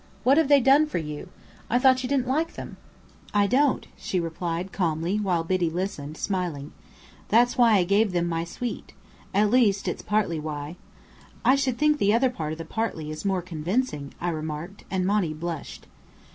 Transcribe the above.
What have they done for you? I thought you didn't like them?" "I don't," she replied, calmly, while Biddy listened, smiling. "That's why I gave them my suite at least, it's partly why." "I should think the other part of the 'partly' is more convincing," I remarked; and Monny blushed.